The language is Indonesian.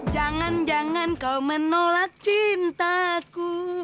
jangan jangan kau menolak cintaku